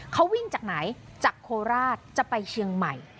เขาวิ่งจากไหนจากโคราชจะไปเชียงใหม่